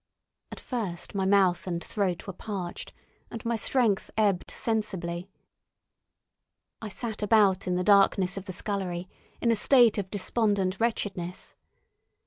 At first my mouth and throat were parched, and my strength ebbed sensibly. I sat about in the darkness of the scullery, in a state of despondent wretchedness.